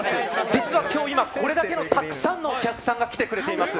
実は今日これだけのたくさんのお客さんが来てくれています。